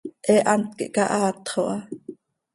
He hant quih cahaatxo ha.